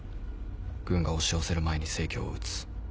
軍が押し寄せる前に成を討つ。